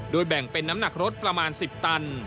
แบ่งเป็นน้ำหนักรถประมาณ๑๐ตัน